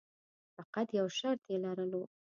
فقط یو شرط یې لرلو.